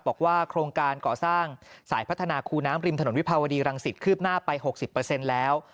บอกว่าโครงการก่อสร้างสายพัฒนาคูน้ำริมถนนวิภาวดีรังสิตคืบหน้าไป๖๐แล้ว